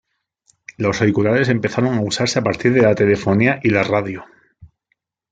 Los auriculares empezaron a usarse a partir de la telefonía y la radio.